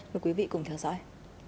mời quý vị cùng theo dõi